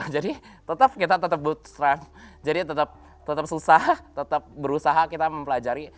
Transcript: jadi kita tetap bootstrap jadi tetap susah tetap berusaha kita mempelajari